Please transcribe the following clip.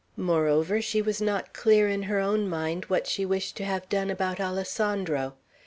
Moreover, she was not clear in her own mind what she wished to have done about Alessandro.